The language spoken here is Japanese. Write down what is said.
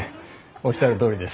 おっしゃるとおりです。